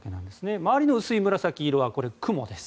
周りの薄い紫色は雲です。